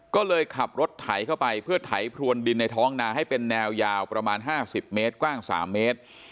ก็เลยขับรถไถเข้าไปเพื่อไถพรวนดินในท้องนาให้เป็นแนวยาวประมาณ๕๐เมตรกว้าง๓เมตร